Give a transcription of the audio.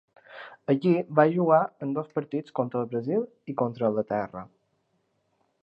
Allí va jugar en dos partits, contra el Brasil i contra Anglaterra.